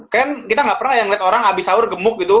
kan kita gak pernah yang liat orang abis sahur gemuk gitu